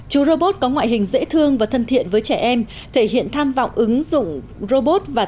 chú robot có ngoại hình dễ thương và thân thiện với trẻ em thể hiện tham vọng ứng dụng robot và